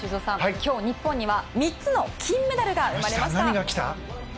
今日、日本には３つの金メダルが生まれました。